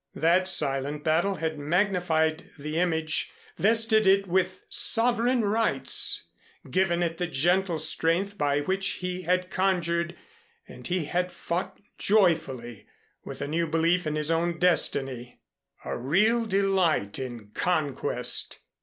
That silent battle had magnified the image, vested it with sovereign rights, given it the gentle strength by which he had conjured, and he had fought joyfully, with a new belief in his own destiny, a real delight in conquest.